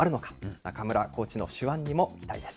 中村コーチの手腕にも期待です。